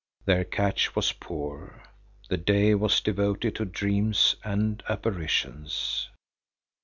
Their catch was poor. The day was devoted to dreams and apparitions.